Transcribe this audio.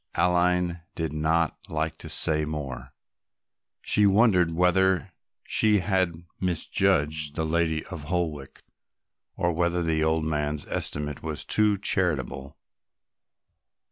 Aline did not like to say more; she wondered whether she had misjudged the lady of Holwick, or whether the old man's estimate was too charitable.